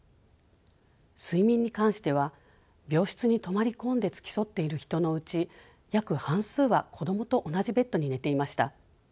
睡眠に関しては病室に泊まり込んで付き添っている人のうち約半数は子どもと同じベッドに寝ていました。